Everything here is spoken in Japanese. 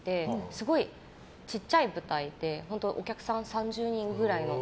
すごいちっちゃい舞台で本当お客さん３０人くらいの。